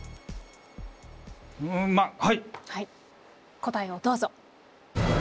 答えをどうぞ。